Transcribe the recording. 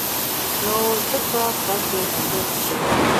نو ځکه فرد یو ځانګړی حق لري.